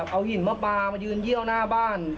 เอาหินมาปลามายืนเยี่ยวหน้าบ้าน